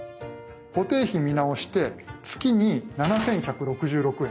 固定費見直して月に７，１６６円。